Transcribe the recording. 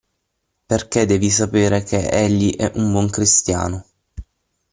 Perché devi sapere che egli è un buon cristiano.